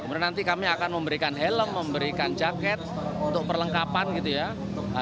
kemudian nanti kami akan memberikan helm memberikan jaket untuk perlengkapan gitu ya